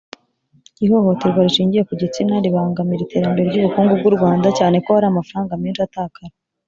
ihohoterwa rishingiye ku gitsina ribangamira iterambere ry ubukungu bw u rwanda cyane ko hari amafaranga menshi atakara.